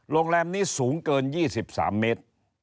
โรงแรมนี้สูงเกิน๒๓เมตร